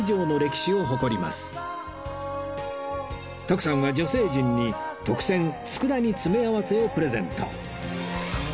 徳さんは女性陣に特選佃煮詰合せをプレゼント